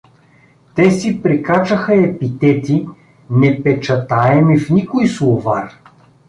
Те си прикачаха епитети, непечатаеми в никой словар.